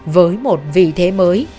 với một vị thế mới